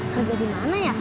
kerja di mana ya